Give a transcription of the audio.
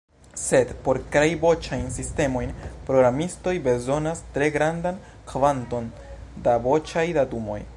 Sed por krei voĉajn sistemojn, programistoj bezonas tre grandan kvanton da voĉaj datumoj.